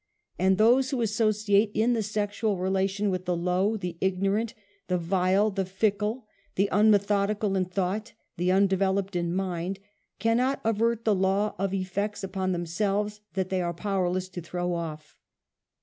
And those who associate in the sex / ual relation with the low, the ignorant, the vile, the '\ l£ckle, the mimethodical in thought, the undeveloped in mind, cannot avert the law of effects upon them selves that they are powerless to throw off.